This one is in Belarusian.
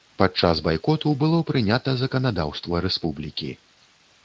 Падчас байкоту было прынята заканадаўства рэспублікі.